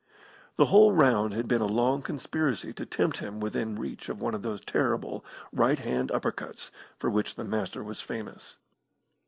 The whole round had been a long conspiracy to tempt him within reach of one of those terrible right hand upper cuts for which the Master was famous.